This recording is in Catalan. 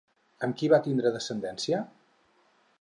I amb qui va tindre descendència?